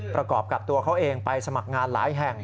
ประกอบกับตัวเขาเองไปสมัครงานหลายแห่ง